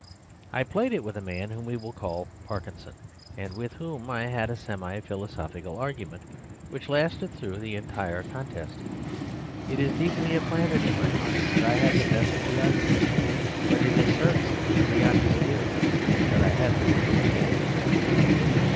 I played it with a man whom we will call Parkinson, and with whom I had a semi philosophical argument which lasted through the entire contest. It is deeply implanted in my mind that I had the best of the argument; but it is certain and beyond dispute that I had the worst of the game.